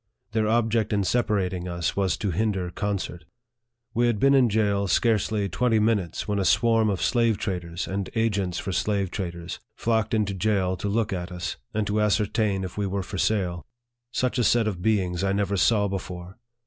Their object in separating us was to hinder concert. We had been in jail scarcely twenty minutes, when a swarm of slave traders, and agents for slave traders, flocked into jail to look at us, and to ascertain if we were for sale. Such a set of beings I never saw before